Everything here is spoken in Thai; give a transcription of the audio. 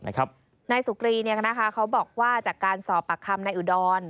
นายสุกรีเขาบอกว่าจากการสอบปากคำนายอุดร